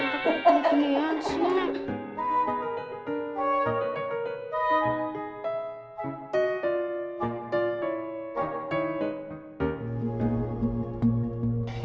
kenapa penuh penihan sih mak